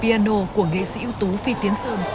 piano của nghệ sĩ ưu tú phi tiến sơn